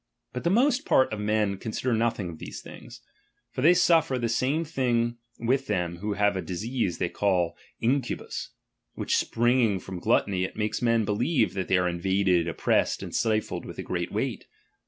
But the M most part of men consider nothing of these things. ■ For they suffer the same thing with them who I have a disease they call an inculnis ; which spring I ing from gluttony, it makes men believe they are M invaded, oppressed, and stifled with a great weight.